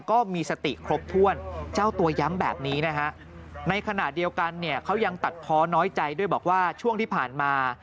ก็ยังตัดพ้อน้อยใจด้วยบอกว่าช่วงที่ผ่านมา